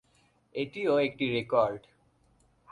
এটিও একটি রেকর্ড।